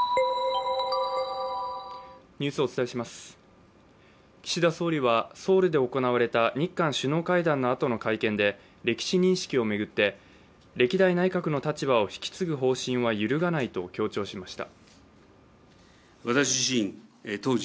やめてって岸田総理はソウルで行われた日韓首脳会談の後の会見で、歴史認識を巡って歴代内閣の立場を引き継ぐ方針は揺るがないと強調しました。